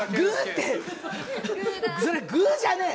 それ「グー」じゃねえ！